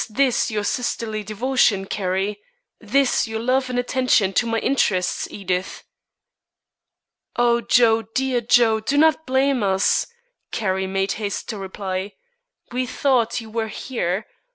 this your sisterly devotion, Carrie? this your love and attention to my interests, Edith?" "O Joe, dear Joe, do not blame us!" Carrie made haste to reply. "We thought you were here.